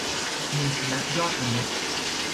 มี คณะยอดมนุษย์